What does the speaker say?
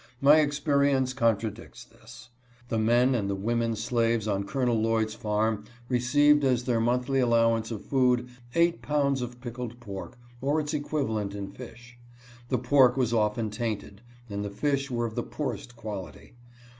My experience contradicts this. The men and the women slaves on Col. Lloyd's farm received as their monthly allowance of food, eight pounds of pickled pork, or its equivalent in fish. The pork was often tainted, and the fish were of the poor est quality.